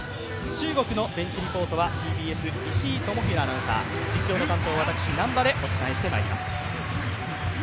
中国のベンチリポートはＴＢＳ、石井大裕アナウンサー、実況の担当は私、南波でお伝えしてまいります。